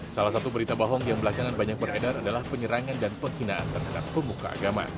salah satu berita bohong yang belakangan banyak beredar adalah penyerangan dan penghinaan terhadap pemuka agama